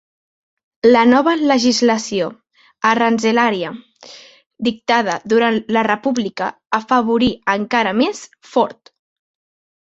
La nova legislació aranzelària dictada durant la República afavorí encara més Ford.